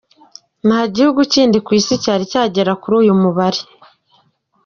Nta gihugu kindi ku Isi cyari cyagera kuri uyu mubare.